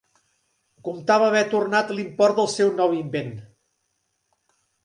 Comptava haver tornat l'import del seu nou invent.